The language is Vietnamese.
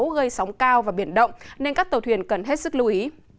gây sóng cao và biển động nên các tàu thuyền cần hết sức lưu ý